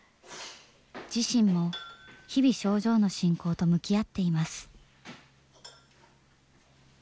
自身も日々症状の進行と向き合っています。